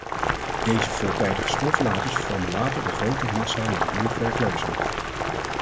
Deze voortijdige schoolverlaters vormen later de grote massa langdurig werklozen.